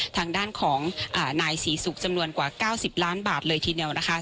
ทางด้านของนายศรีศุกร์จำนวนกว่า๙๐ล้านบาทเลยทีเดียวนะคะ